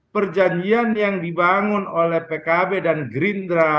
perjanjian yang dibangun oleh pkb dan gerindra